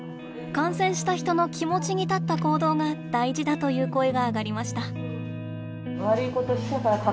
感染した人の気持ちに立った行動が大事だという声が上がりました。